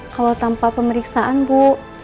kalau tanpa pemeriksaan bu